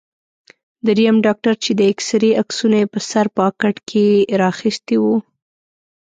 دریم ډاکټر چې د اېکسرې عکسونه یې په سر پاکټ کې را اخیستي ول.